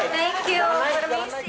thank you permisi